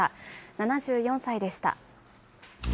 ７４歳でした。